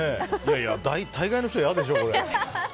大概の人は嫌でしょ、これ。